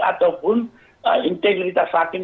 ataupun integritas hakim